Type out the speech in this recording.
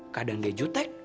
kadang dia jutek